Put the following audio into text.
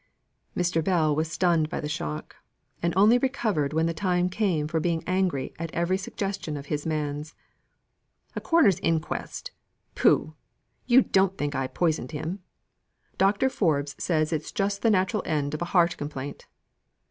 Mr. Bell was stunned by the shock; and only recovered when the time came for being angry at every suggestion of his man's. "A coroner's inquest? Pooh. You don't think I poisoned him! Dr. Forbes says it is just the natural end of a heart complaint.